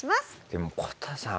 でもこたさん